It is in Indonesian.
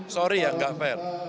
sorry ya enggak fair